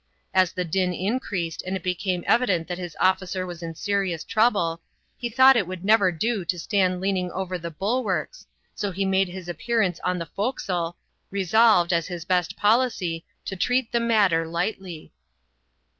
As the din increased, and it became evident that his officer was in serious trouble, he thought it would never do to %Ux!AV^<ax^^ 16 ADVENTURES IN THE SOUTH SEAS. [chap, iv over the bulwarks, so he made his appearance on the forecastle, resolved, as his best policy, to treat the matter lightly.